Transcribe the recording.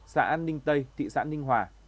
xã an ninh tây thị xã ninh hòa